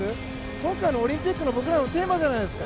そういうオリンピックが僕らのテーマじゃないですか。